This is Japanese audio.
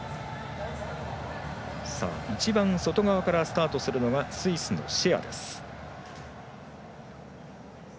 一番外側からスタートがスイスのシェアです。